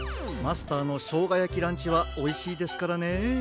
マスターのしょうがやきランチはおいしいですからね。